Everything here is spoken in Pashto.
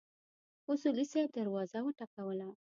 اصولي صیب دروازه وټکوله.